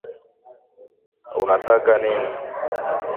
Unataka nini